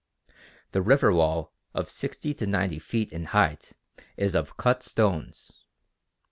The river wall of sixty to ninety feet in height is of cut stones.